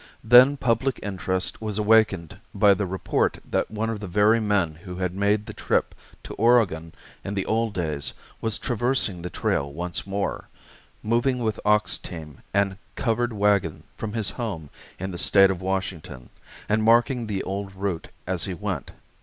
Then public interest was awakened by the report that one of the very men who had made the trip to Oregon in the old days was traversing the trail once more, moving with ox team and covered wagon from his home in the state of Washington, and marking the old route as he went.